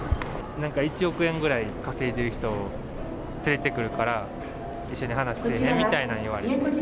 なんか１億円ぐらい稼いでる人連れてくるから、一緒に話するねみたいなことを言われて。